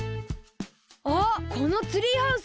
あっこのツリーハウス！